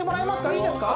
いいですか？